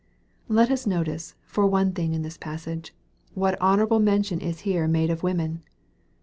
Let us notice, for one thing in this passage, what honorable mention is here made of women.